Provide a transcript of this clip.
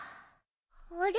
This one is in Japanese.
あれ？